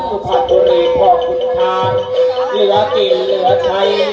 ใจสวนเจ้าสุภาพบริพาท